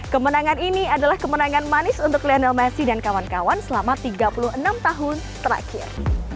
kemenangan ini adalah kemenangan manis untuk lionel messi dan kawan kawan selama tiga puluh enam tahun terakhir